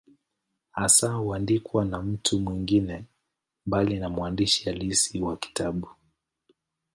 Hasa huandikwa na mtu mwingine, mbali na mwandishi halisi wa kitabu.